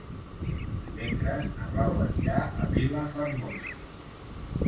Dimecres na Blau anirà a Vilafermosa.